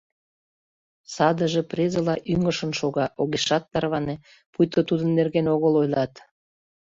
Садыже презыла ӱҥышын шога, огешат тарване, пуйто тудын нерген огыл ойлат.